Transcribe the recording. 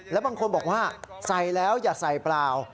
แล้วบางคนบอกว่าใส่แล้วอย่าใส่เปล่า